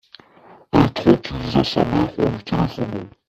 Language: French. elle tranquilisa sa mère en lui téléphonant.